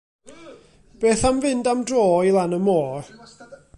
Beth am fynd am dro i lan y môr.